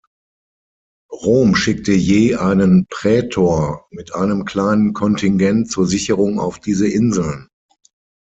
Rom schickte je einen Prätor mit einem kleinen Kontingent zur Sicherung auf diese Inseln.